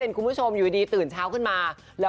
เกิดเห็นคุณผู้ชมอยู่ดีตื่นเช้าขึ้นมา